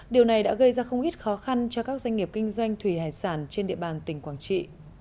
điều này đã gây ra không ít khó khăn cho các doanh nghiệp kinh doanh thủy hải sản trên địa bàn tỉnh quảng trị